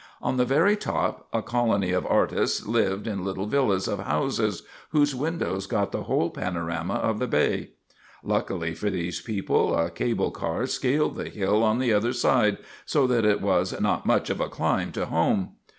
On the very top, a colony of artists lived in little villas of houses whose windows got the whole panorama of the bay. Luckily for these people, a cable car scaled the hill on the other side, so that it was not much of a climb to home.